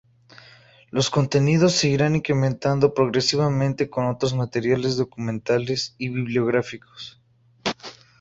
Los contenidos se irán incrementando progresivamente con otros materiales documentales y bibliográficos.